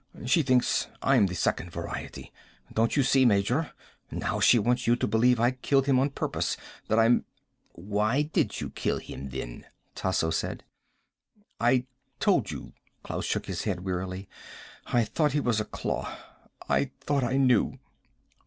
She thinks I'm the Second Variety. Don't you see, Major? Now she wants you to believe I killed him on purpose. That I'm " "Why did you kill him, then?" Tasso said. "I told you." Klaus shook his head wearily. "I thought he was a claw. I thought I knew."